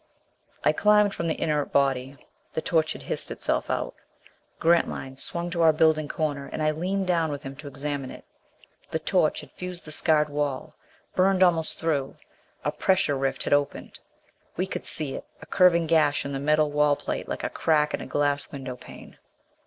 I climbed from the inert body. The torch had hissed itself out. Grantline swung to our building corner, and I leaned down with him to examine it. The torch had fused and scarred the wall, burned almost through. A pressure rift had opened. We could see it, a curving gash in the metal wall plate like a crack in a glass window pane.